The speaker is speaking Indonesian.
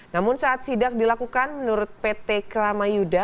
namun saat sidak dilakukan menurut pt kramayuda